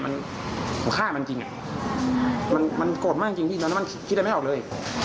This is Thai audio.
มันมันฆ่ามันจริงอ่ะมันมันโกรธมากจริงพี่น้ำมันคิดคิดได้ไม่ออกเลย